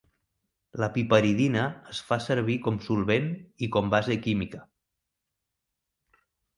La piperidina es fa servir com solvent i com base química.